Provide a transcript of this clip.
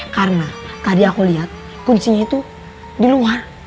karena tadi aku liat kuncinya itu di luar